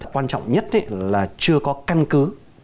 quan trọng nhất là chưa có căn cứ